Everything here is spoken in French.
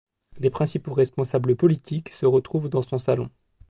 Les principaux responsables politiques se retrouvent dans son salon.